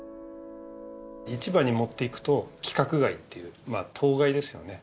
市場に持っていくと規格外っていうまあ当該ですよね。